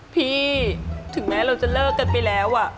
พี่ถึงแม้เราจะเลิกกันไปแล้ว